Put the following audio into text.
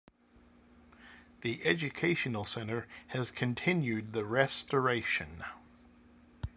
The educational center has continued the restoration.